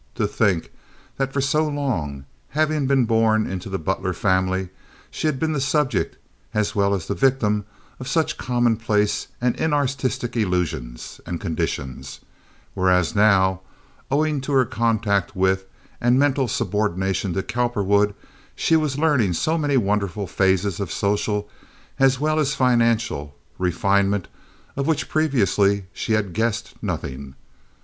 To think that for so long, having been born into the Butler family, she had been the subject, as well as the victim of such commonplace and inartistic illusions and conditions, whereas now, owing to her contact with, and mental subordination to Cowperwood, she was learning so many wonderful phases of social, as well as financial, refinement of which previously she had guessed nothing.